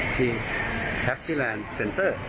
ที่แฮปปี้แลนด์เซ็นเตอร์